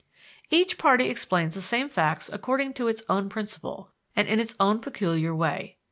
" Each party explains the same facts according to its own principle and in its own peculiar way.